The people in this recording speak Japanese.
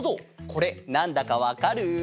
これなんだかわかる？